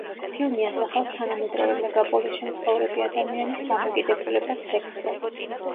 ფილმი ასახავს თანამედროვე მეგაპოლისში მცხოვრები ადამიანის დამოკიდებულებას სექსზე.